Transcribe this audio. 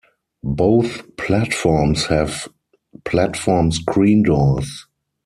Both platforms have platform screen doors.